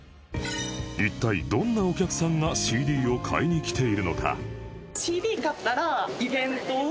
一体どんなお客さんが ＣＤ を買いに来ているのか？